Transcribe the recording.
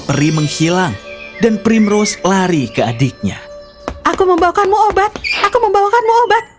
peri menghilang dan primrose lari ke adiknya aku membawakanmu obat aku membawakanmu obat